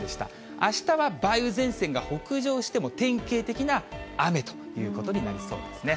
あしたは梅雨前線が北上しても、典型的な雨ということになりそうですね。